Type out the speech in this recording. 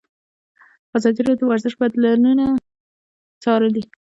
ازادي راډیو د ورزش بدلونونه څارلي.